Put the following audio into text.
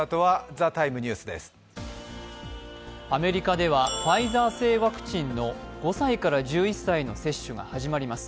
アメリカではファイザー製ワクチンの５歳から１１歳の接種が始まります。